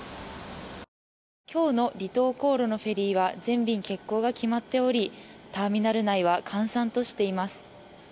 今日の離島航路のフェリーは全便欠航が決まっておりターミナル内は閑散としています。